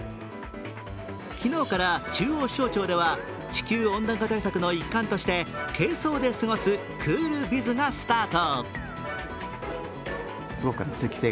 昨日から中央省庁では地球温暖化対策の一環として軽装で過ごすクールビズがスタート。